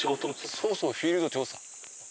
そうそうフィールド調査。